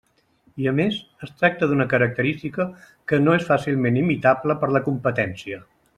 I, a més, es tracta d'una característica que no és fàcilment imitable per la competència.